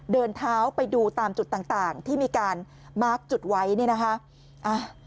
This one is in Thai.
เดินเท้าไปดูตามจุดต่างต่างที่มีการมาร์คจุดไว้เนี่ยนะคะ